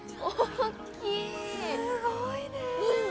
すごいね。